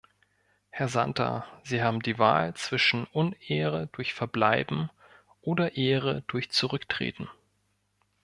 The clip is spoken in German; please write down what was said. Herr Santer, Sie haben die Wahl zwischen Unehre durch Verbleiben oder Ehre durch Zurücktreten!